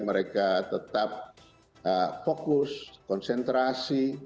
mereka tetap fokus konsentrasi